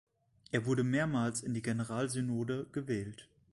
Er wurde mehrmals in die Generalsynode gewählt.